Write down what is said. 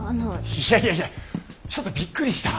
いやいやいやちょっとびっくりした。